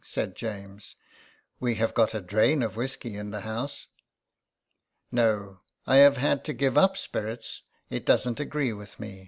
" said James. *' We have got a drain of whiskey in the house." " No, I have had to give up spirits. It doesn't agree with me.